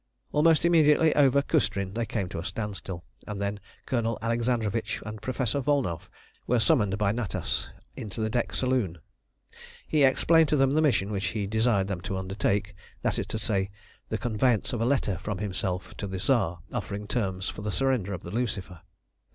Almost immediately over Cüstrin they came to a standstill, and then Colonel Alexandrovitch and Professor Volnow were summoned by Natas into the deck saloon. He explained to them the mission which he desired them to undertake, that is to say, the conveyance of a letter from himself to the Tsar offering terms for the surrender of the Lucifer.